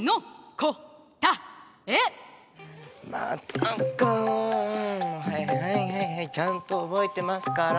またかはいはいはいはいちゃんと覚えてますから。